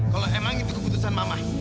kalau emang itu keputusan mama